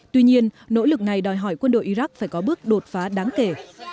tuy nhiên nỗ lực này đòi hỏi quân đội iraq phải có bước đột phá đáng kể